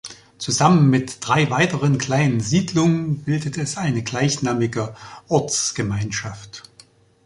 Zusammen mit drei weiteren kleinen Siedlungen bildet es eine gleichnamige Ortsgemeinschaft.